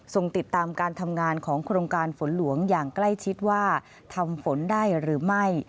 ติดตามการทำงานของโครงการฝนหลวงอย่างใกล้ชิดว่าทำฝนได้หรือไม่